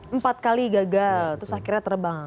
empat kali gagal terus akhirnya terbang